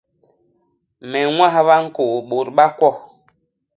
Me ññwahba ñkôô bôt ba kwo.